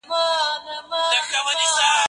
راتلونکی نسل باید پوه سي.